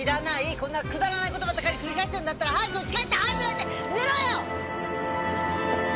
こんなくだらない事ばかり繰り返してるんだったら早く家帰って歯磨いて寝ろよ！